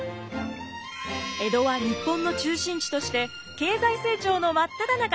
江戸は日本の中心地として経済成長の真っただ中！